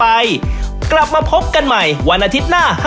ปะติ๋วเสมอราคาก็ยังไม่ได้ขึ้นราคาเลยค่ะ